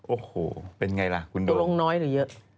โอ้โหเป็นอย่างไรล่ะคุณโดมตัวลงน้อยหรือเยอะ